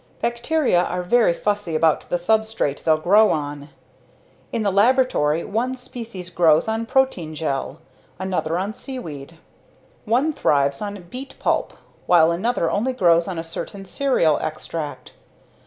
Bacteria are very fussy about the substrate they'll grow on. In the laboratory, one species grows on protein gel, another on seaweed. One thrives on beet pulp while another only grows on a certain cereal extract.